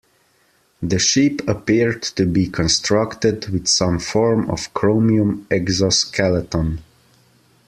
The ship appeared to be constructed with some form of chromium exoskeleton.